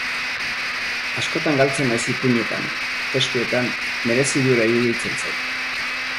Askotan galtzen naiz ipuinetan, testuetan, merezi duela iruditzen zait.